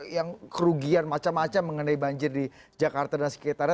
yang kerugian macam macam mengenai banjir di jakarta dan sekitarnya